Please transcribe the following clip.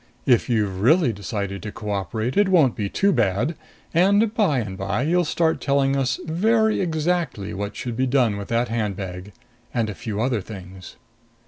"If you've really decided to cooperate, it won't be too bad. And, by and by, you'll start telling us very exactly what should be done with that handbag. And a few other things."